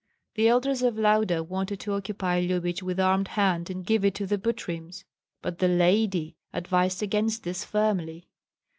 The elders of Lauda wanted to occupy Lyubich with armed hand and give it to the Butryms, but "the lady" advised against this firmly.